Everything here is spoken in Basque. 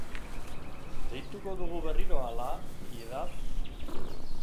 Deituko dugu berriro, ala, Piedad?